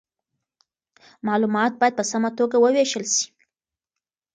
معلومات باید په سمه توګه وویشل سي.